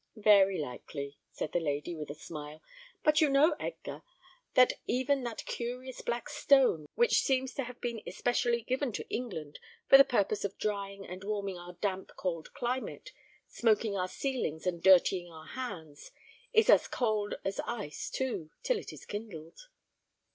"Very likely," said the lady, with a smile; "but you know, Edgar, that even that curious black stone, which seems to have been especially given to England for the purpose of drying and warming our damp, cold climate, smoking our ceilings and dirtying our hands, is as cold as ice, too, till it is kindled."